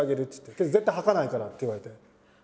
「けど絶対吐かないから」って言われて。